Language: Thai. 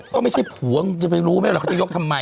ก็ไม่ใช่ผวงรู้ไหมเขาจะยกทำไม